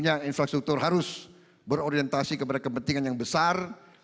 tapi tentunya infrastruktur harus berorientasi kepada kepentingan yang besar